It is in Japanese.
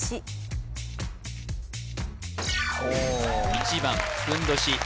１番ふんどし